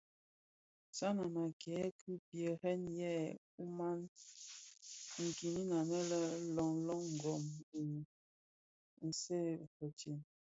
Sanan a kèn ki pierè yè ùman kinin anë le Ngom gum gum bi bësèè bëtsem.